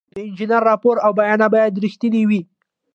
د انجینر راپور او بیانیه باید رښتینې وي.